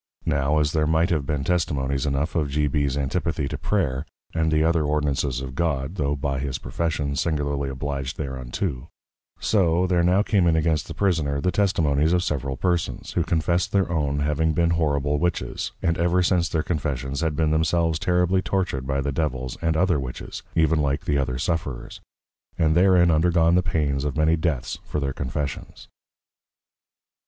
Now, as there might have been Testimonies enough of G. B's Antipathy to Prayer, and the other Ordinances of God, tho by his Profession, singularly Obliged thereunto; so, there now came in against the Prisoner, the Testimonies of several Persons, who confessed their own having been horrible Witches, and ever since their Confessions, had been themselves terribly Tortured by the Devils and other Witches, even like the other Sufferers; and therein undergone the Pains of many Deaths for their Confessions.